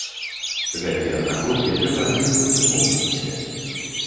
Гэткія знаходкі трэба ацэньваць у комплексе.